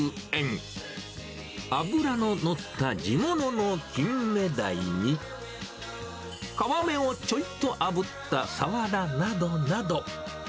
脂の乗った地物のキンメダイに、皮目をちょいとあぶったサワラなどなど。